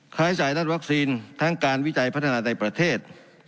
ใช้จ่ายด้านวัคซีนทั้งการวิจัยพัฒนาในประเทศ